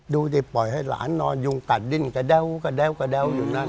ดูสิปล่อยให้หลานนอนยุงกัดดิ้นกระแด้วกระแด้วกระแดวอยู่นั่น